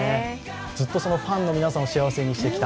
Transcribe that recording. ずっとファンの皆さんを幸せにしてきた。